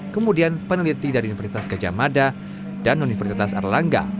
kemudian peneliti dari universitas gajah mada dan universitas erlangga